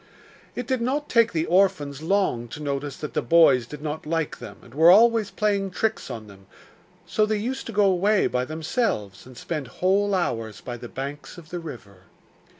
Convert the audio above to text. It did not take the orphans long to notice that the boys did not like them, and were always playing tricks on them, so they used to go away by themselves and spend whole hours by the banks of the river.